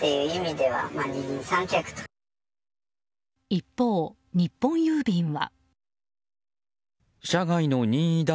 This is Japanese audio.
一方、日本郵便は。